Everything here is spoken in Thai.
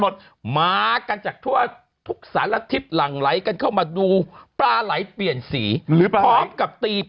ทางเจ้าอาวาสเนี่ยได้เห็นก็โอ้ถ่ายรูปถ่ายรูปถ่ายรูป